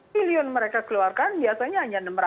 triliun mereka keluarkan biasanya